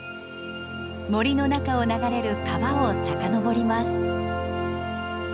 森の中を流れる川を遡ります。